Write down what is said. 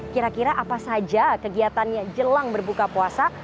kira kira apa saja kegiatannya jelang berbuka puasa